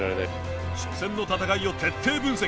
初戦の戦いを徹底分析